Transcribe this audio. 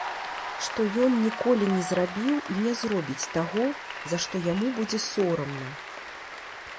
Што ён ніколі не зрабіў і не зробіць таго, за што яму будзе сорамна.